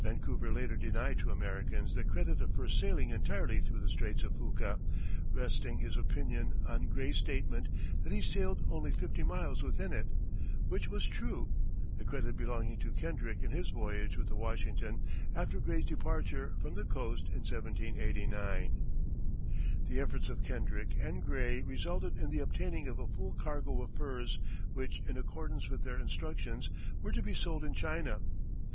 Vancouver later denied to Americans the credit of first sailing entirely through the Straits of Fuca, resting his opinion on Gray's statement that he sailed only fifty miles within it, which was true; the credit belonging to Kendrick in his voyage with the Washington after Gray's departure from the coast in 1789. The efforts of Kendrick and Gray resulted in the obtaining of a full cargo of furs, which in accordance with their instructions were to be sold in China.